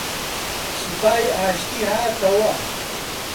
سوپای ئاشتی هاتەوە